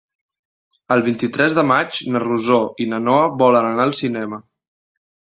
El vint-i-tres de maig na Rosó i na Noa volen anar al cinema.